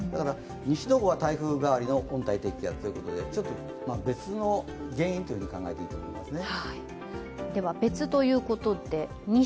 西の方は台風変わりの温帯低気圧ということでちょっと別の原因と考えていいと思いますね。